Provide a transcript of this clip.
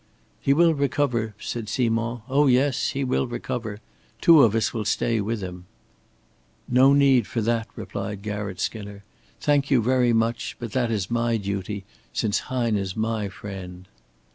"He will recover," said Simond. "Oh yes, he will recover. Two of us will stay with him." "No need for that," replied Garratt Skinner. "Thank you very much, but that is my duty since Hine is my friend."